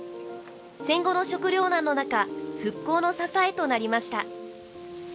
戦後の食糧難の中復興の支えとなりました。